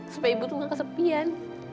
supaya ibu tuh gak kesepian